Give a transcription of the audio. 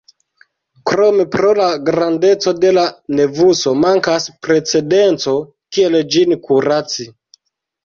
Krome, pro la grandeco de la nevuso, mankas precedenco kiel ĝin kuraci.